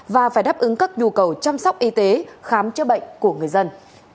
và phải đáp ứng các nhu cầu chăm sóc y tế khám chữa bệnh của người dân